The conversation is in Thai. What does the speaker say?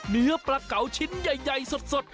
เนื้อปลาเก๋าชิ้นใหญ่สด